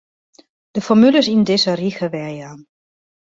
De formules yn dizze rige werjaan.